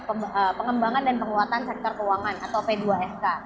dan dalam segi undang undang pengembangan dan penguatan sektor keuangan atau p dua sk